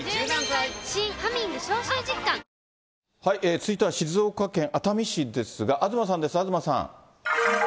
続いては静岡県熱海市ですが、東さんです、東さん。